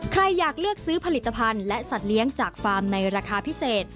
ใครอยากเลือกซื้อผลิตภัณฑ์และสัตว์เลี้ยงจากฟาร์มในราคาพิเศษ